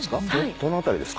どの辺りですか？